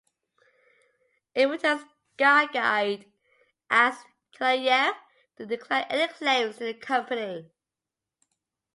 In return, Skyguide asked Kaloyev to decline any claims to the company.